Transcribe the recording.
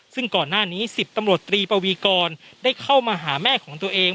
ซึ่งก่อนหน้านี้๑๐ตำรวจตรีปวีกรได้เข้ามาหาแม่ของตัวเอง